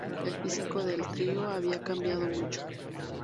El físico del trío había cambiado mucho.